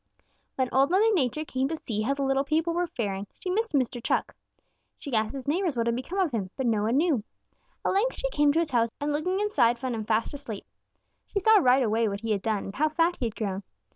"When Old Mother Nature came to see how the little people were faring, she missed Mr. Chuck. She asked his neighbors what had become of him, but no one knew. At length she came to his house and looking inside found him fast asleep. She saw right away what he had done and how fat he had grown.